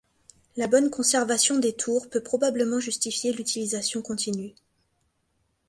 La bonne conservation des tours peut probablement justifier l'utilisation continue.